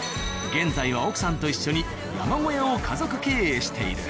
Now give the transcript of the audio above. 現在は奥さんと一緒に山小屋を家族経営している。